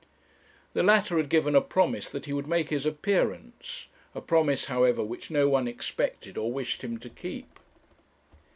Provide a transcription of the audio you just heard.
The latter had given a promise that he would make his appearance a promise, however, which no one expected, or wished him to keep.